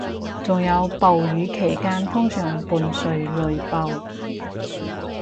仲有暴雨期間通常伴隨雷暴